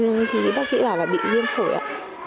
nhưng bác sĩ bảo là bị viêm phổi ạ